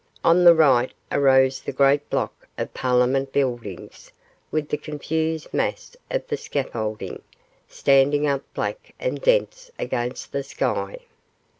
On the right arose the great block of Parliament buildings, with the confused mass of the scaffolding, standing up black and dense against the sky.